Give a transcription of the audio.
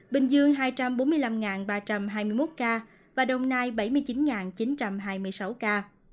bình dương hai trăm bốn mươi năm ba trăm hai mươi một ca và đồng nai bảy mươi chín chín trăm hai mươi sáu ca